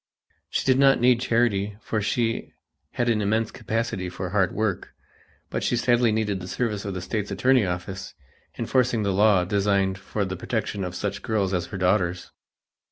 She did not need charity for she had an immense capacity for hard work, but she sadly needed the service of the State's attorney office, enforcing the laws designed for the protection of such girls as her daughters.